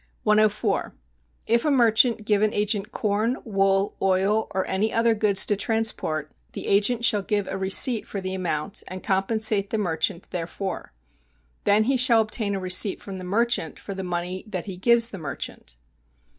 104. If a merchant give an agent corn, wool, oil or any other goods to transport, the agent shall give a receipt for the amount, and compensate the merchant therefor. Then he shall obtain a receipt from the merchant for the money that he gives the merchant.